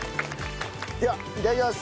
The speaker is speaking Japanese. ではいただきます！